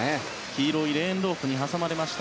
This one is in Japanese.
黄色いレーンロープに挟まれました